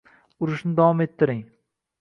Urishni davom ettiring